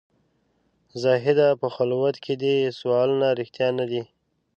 زاهده په خلوت کې دي سوالونه رښتیا نه دي.